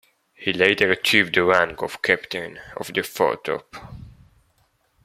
He later achieved the rank of captain of the foretop.